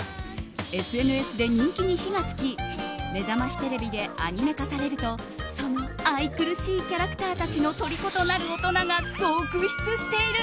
ＳＮＳで人気に火が付き「めざましテレビ」でアニメ化されるとその愛くるしいキャラクターたちのとりことなる大人が続出している！